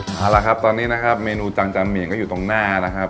เอาละครับตอนนี้นะครับเมนูจังจาหมี่ก็อยู่ตรงหน้านะครับ